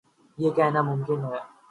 یہ کہنا ممکن ہے۔